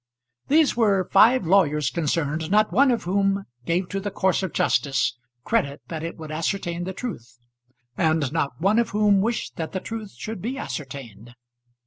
These were five lawyers concerned, not one of whom gave to the course of justice credit that it would ascertain the truth, and not one of whom wished that the truth should be ascertained.